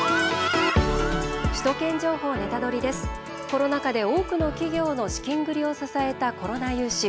コロナ禍で多くの企業の資金繰りを支えたコロナ融資。